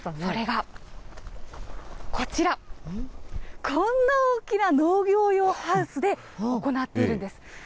それがこちら、こんな大きな農業用ハウスで行っているんです。